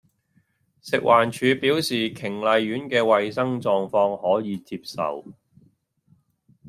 食環署表示瓊麗苑既衛生狀況可以接受